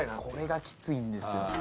これがきついんですよ。